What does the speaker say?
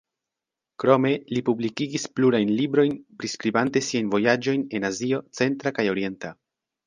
Krome, li publikigis plurajn librojn priskribante siajn vojaĝojn en Azio centra kaj orienta.